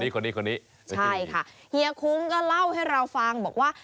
คนนี้คนนี้ใช่ค่ะเฮียคุ้งก็เล่าให้เราฟังบอกว่า